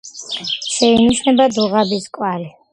შეინიშნება დუღაბის კვალი.